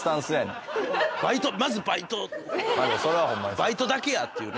バイトだけや！っていうね。